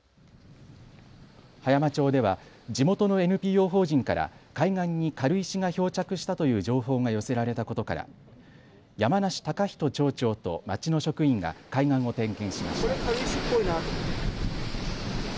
葉山町では地元のＮＰＯ法人から海岸に軽石が漂着したという情報が寄せられたことから山梨崇仁町長と町の職員が海岸を点検しました。